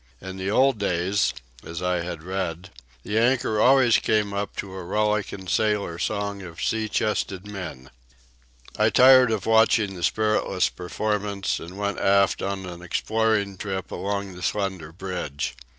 In the old days, as I had read, the anchor always came up to the rollicking sailor songs of sea chested men. I tired of watching the spiritless performance, and went aft on an exploring trip along the slender bridge.